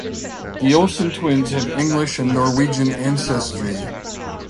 The Olsen twins have English and Norwegian ancestry.